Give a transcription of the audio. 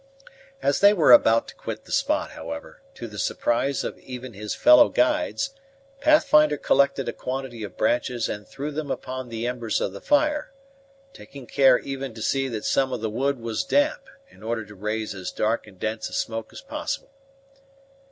As they were about to quit the spot, however, to the surprise of even his fellow guides, Pathfinder collected a quantity of branches and threw them upon the embers of the fire, taking care even to see that some of the wood was damp, in order to raise as dark and dense a smoke as possible.